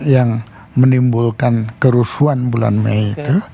yang menimbulkan kerusuhan bulan mei itu